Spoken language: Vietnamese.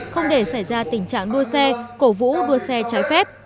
không để xảy ra tình trạng đua xe cổ vũ đua xe trái phép